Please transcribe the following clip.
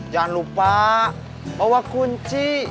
jangan lupa bawa kunci